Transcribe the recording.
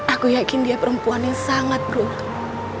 aku yakin dia perempuan yang sangat beruntung